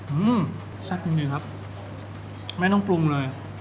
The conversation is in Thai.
อืมแซ่บจริงครับไม่ต้องปรุงเลย